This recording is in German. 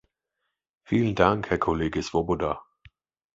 Vielen Dank, Herr Kollege Swoboda.